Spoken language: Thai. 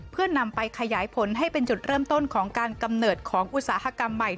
เพื่อนำไปขยายผลให้เป็นจุดเริ่มต้นของการกำเนิดของอุตสาหกรรมใหม่